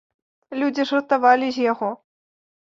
Людзі жартавалі з яго.